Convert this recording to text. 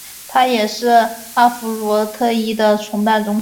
它也是阿佛罗狄忒的崇拜中心。